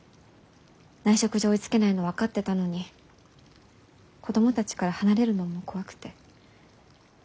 内職じゃ追いつけないの分かってたのに子供たちから離れるのも怖くて。